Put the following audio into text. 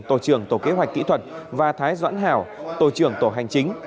tổ trưởng tổ kế hoạch kỹ thuật và thái doãn hảo tổ trưởng tổ hành chính